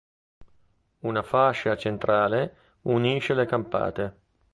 Una fascia centrale unisce le campate.